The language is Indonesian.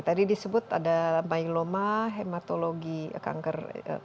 tadi disebut ada byeloma hematologi kanker